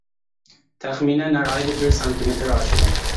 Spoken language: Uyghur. تەخمىنەن ھەر ئايدا بىر سانتىمېتىر ئاشىدۇ.